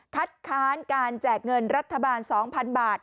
ค้านการแจกเงินรัฐบาล๒๐๐๐บาท